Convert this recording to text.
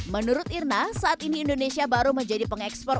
menurut irna saat ini indonesia baru menjadi pengekspor